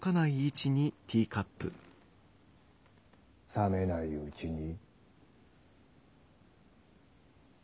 冷めないうちに。